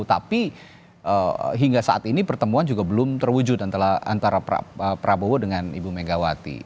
tapi hingga saat ini pertemuan juga belum terwujud antara prabowo dengan ibu megawati